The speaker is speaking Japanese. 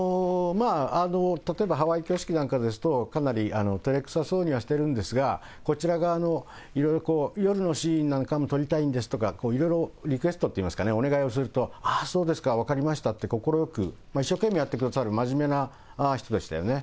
例えばハワイ挙式なんかですと、かなりてれくさそうにはしてるんですが、こちら側のいろいろこう、夜のシーンなんかも撮りたいんですとか、いろいろリクエストっていいますか、お願いをしますと、ああ、そうですか、分かりましたって、快く、一生懸命やってくださる真面目な人でしたよね。